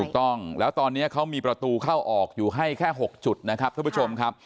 ถูกต้องแล้วตอนนี้เขามีประตูเข้าออกอยู่ให้แค่๖จุดนะครับท่านผู้ชมครับ